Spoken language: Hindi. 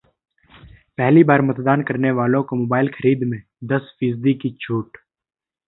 पहली बार मतदान करने वालों को मोबाइल खरीद में दस फीसदी की छूट